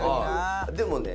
でもね